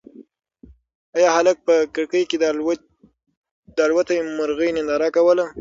ایا هلک په کړکۍ کې د الوتی مرغۍ ننداره کوله؟